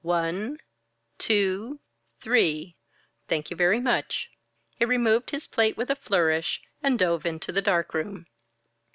One, two, three thank you very much!" He removed his plate with a flourish, and dove into the dark room.